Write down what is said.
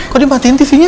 kok dimatiin tv nya